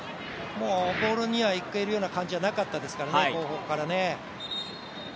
ボールには行けるような感じではなかったですからね。